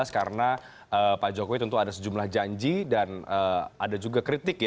karena pak jokowi tentu ada sejumlah janji dan ada juga kritik ya